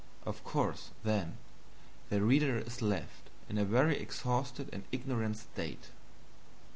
Of course, then, the reader is left in a very exhausted and ignorant state.